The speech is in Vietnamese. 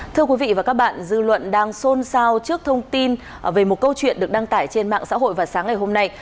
thưa quý vị và các bạn dư luận đang xôn xao trước thông tin về một câu chuyện được đăng tải trên mạng xã hội vào sáng ngày hôm nay